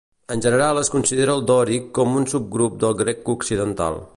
En general es considera el dòric com un subgrup del grec occidental.